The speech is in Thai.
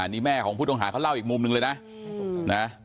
นี่แม่ของผู้ต้องหาเขาเล่าอีกมุมหนึ่งเลยนะ